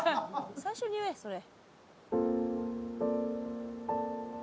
最初に言えそれ」